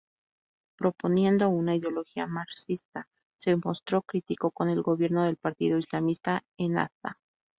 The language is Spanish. Proponiendo una ideología marxista, se mostró crítico con el gobierno del partido islamista Ennahda.